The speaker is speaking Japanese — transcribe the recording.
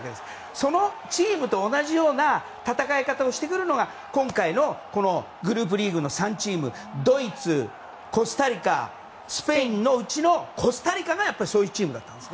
そのチームと同じような戦い方をしてくるのが今回のグループリーグの３チームドイツ、コスタリカスペインのうちのコスタリカがそういうチームだったんです。